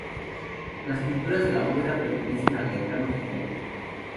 Las pinturas de la bóveda pertenecen a Gaetano Gigante.